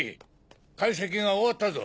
解析が終わったぞ。